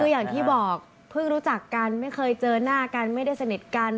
อย่างที่บอกเพิ่งรู้จักกันไม่เคยเจอหน้ากันไม่ได้สนิทกัน